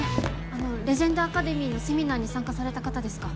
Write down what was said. あのレジェンドアカデミーのセミナーに参加された方ですか？